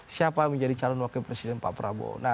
siapa menjadi calon wakil presiden pak prabowo